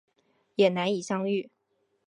也难以相遇